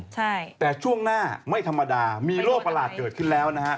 ใช่แต่ช่วงหน้าไม่ธรรมดามีโรคประหลาดเกิดขึ้นแล้วนะฮะ